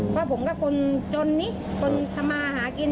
เพราะผมก็คนจนนี่คนทำมาหากิน